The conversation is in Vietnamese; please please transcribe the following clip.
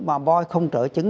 mà voi không trở chứng